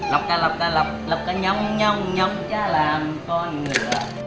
lọc cà lọc cà lọc lọc cà nhong nhong nhong nhong chá làm con ngựa